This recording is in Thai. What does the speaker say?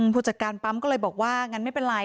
ผู้จัดการปั๊มก็เลยบอกว่างั้นไม่เป็นไร